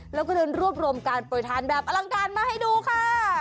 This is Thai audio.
เราก็เลยรวบรวมการปล่อยทานแบบอลังการมาให้ดูค่ะ